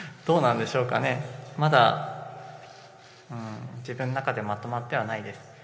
どうなんでしょうかね、まだ自分の中でまとまってはいないです。